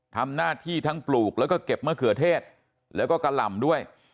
ทำหน้าที่ทั้งปลูกแล้วก็เก็บมะเขือเทศแล้วก็กะหล่ำด้วย